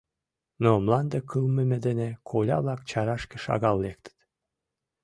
Но мланде кылмыме дене коля-влак чарашке шагал лектыт.